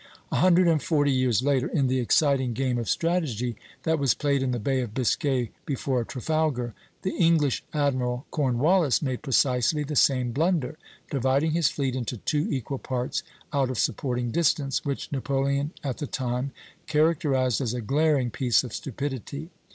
A hundred and forty years later, in the exciting game of strategy that was played in the Bay of Biscay before Trafalgar, the English admiral Cornwallis made precisely the same blunder, dividing his fleet into two equal parts out of supporting distance, which Napoleon at the time characterized as a glaring piece of stupidity.